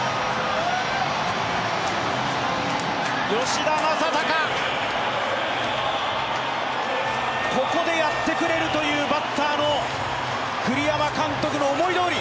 吉田正尚、ここでやってくれるというバッターの、栗山監督の思いどおり。